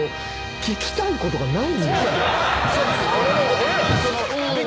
聞きたいことがない。